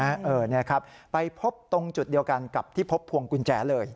นี่ครับไปพบตรงจุดเดียวกันกับที่พบพวงกุญแจเลย